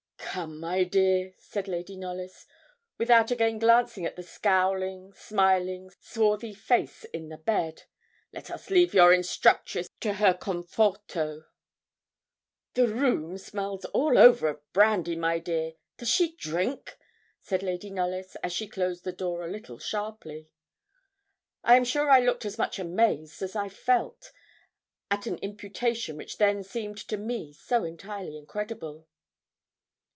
'Come, my dear,' said Lady Knollys, without again glancing at the scowling, smiling, swarthy face in the bed; 'let us leave your instructress to her concforto.' 'The room smells all over of brandy, my dear does she drink?' said Lady Knollys, as she closed the door, a little sharply. I am sure I looked as much amazed as I felt, at an imputation which then seemed to me so entirely incredible.